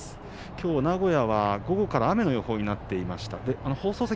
きょうの名古屋は午後から雨の予報になっていました。